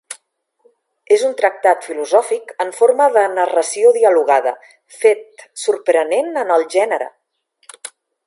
És un tractat filosòfic en forma de narració dialogada, fet sorprenent en el gènere.